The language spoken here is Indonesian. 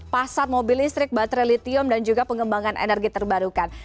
pasar mobil listrik baterai litium dan juga pengembangan energi terbarukan